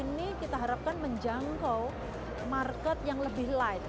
ini kita harapkan menjangkau market yang lebih light